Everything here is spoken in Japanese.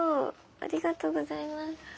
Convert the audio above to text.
ありがとうございます。